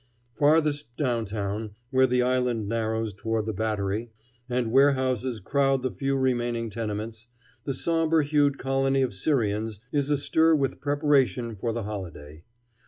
Farthest down town, where the island narrows toward the Battery, and warehouses crowd the few remaining tenements, the somber hued colony of Syrians is astir with preparation for the holiday.